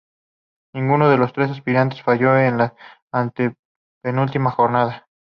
Ninguno de los tres aspirantes falló en la antepenúltima jornada.